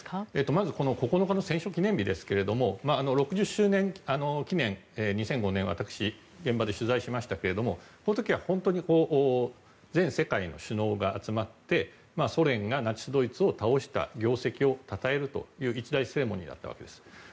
まず９日の戦勝記念日ですが６０周年記念、２００５年私は現場で取材しましたがこの時は全世界の首相が集まってソ連がナチス・ドイツを倒した業績をたたえるという一大セレモニーだったわけです。